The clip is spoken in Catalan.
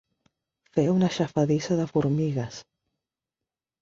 Fer una aixafadissa de formigues.